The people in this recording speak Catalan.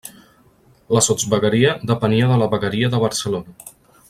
La Sotsvegueria depenia de la vegueria de Barcelona.